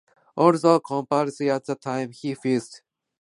Although compulsory at the time, he refused to associate with the Hitler Youth.